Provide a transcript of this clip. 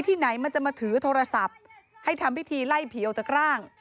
ที่ไหนมันจะมาถือโทรศัพท์ให้ทำพิธีไล่ผีออกจากร่าง